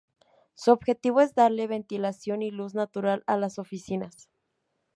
Su objetivo es darle ventilación y luz natural a las oficinas.